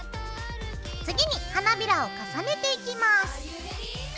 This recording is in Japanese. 次に花びらを重ねていきます。